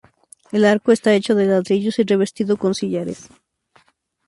El arco está hecho de ladrillos y revestido con sillares.